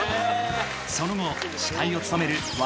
その後、司会を務める笑